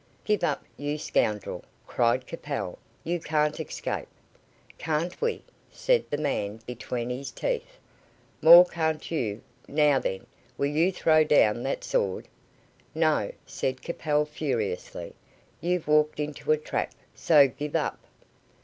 "Give up, you scoundrel!" cried Capel. "You can't escape." "Can't we?" said the man, between his teeth, "More can't you. Now, then, will you throw down that sword?" "No," said Capel, furiously. "You've walked into a trap, so give up."